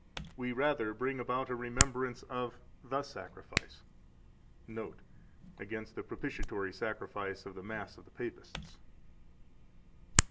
We rather bring about a remembrance of the sacrifice." (Note: Against the propitiatory sacrifice of the Mass of the Papists.)